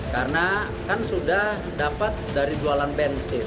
karena kan sudah dapat dari jualan bensin